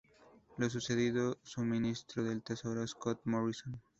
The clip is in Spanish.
Lo sucedió su ministro del Tesoro, Scott Morrison.